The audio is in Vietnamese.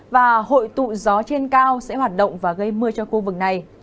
và hội tụ gió trên cao sẽ hoạt động và gây mưa cho khu vực này